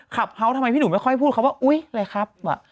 เฮาส์ทำไมพี่หนูไม่ค่อยพูดคำว่าอุ๊ยอะไรครับ